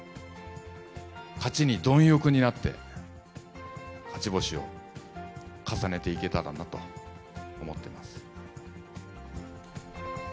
勝ちに貪欲になって勝ち星を重ねていけたらなと思ってます。